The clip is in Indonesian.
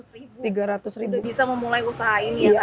bisa memulai usaha ini ya